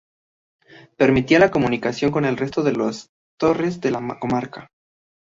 Permitía la comunicación con el resto de las torres de la comarca.